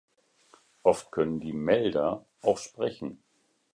Oft können die "Melder" auch „sprechen“.